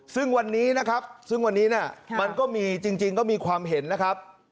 ซึ่งวันนี้นะครับซึ่งวันนี้มันก็มีจริงก็มีความเห็นนะครับ